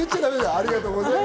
ありがとうございます。